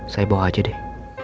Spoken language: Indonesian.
saya bawa aja deh